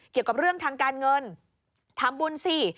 เกี่ยวกับเรื่องทางการเงินทำบุญสิ